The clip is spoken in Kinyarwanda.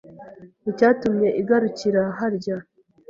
Icyatumye igarukira harya